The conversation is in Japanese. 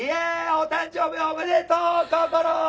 お誕生日おめでとうこころ！